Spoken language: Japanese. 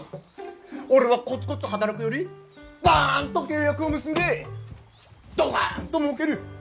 俺はコツコツ働くよりバンと契約を結んでドカンともうける。